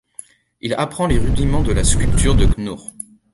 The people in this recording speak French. Il apprend les rudiments de la sculpture de Knaur.